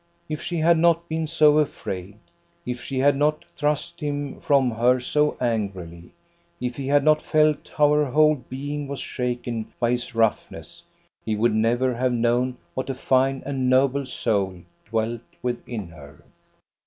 If she had not been so afraid, if she had not thrust him from her so angrily, if he had not felt how her whole being was shaken by his roughness, he would never have known what a fine and noble soul dwelt within her.